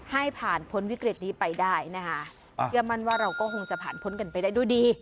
ให้ผ่านพ้นวิกฤตนี้ไปได้นะคะเชื่อมั่นว่าเราก็คงจะผ่านพ้นกันไปได้ด้วยดี